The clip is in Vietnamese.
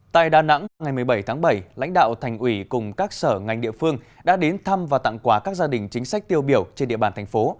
tại đà nẵng ngày một mươi bảy tháng bảy lãnh đạo thành ủy cùng các sở ngành địa phương đã đến thăm và tặng quà các gia đình chính sách tiêu biểu trên địa bàn thành phố